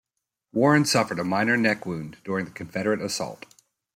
Warren suffered a minor neck wound during the Confederate assault.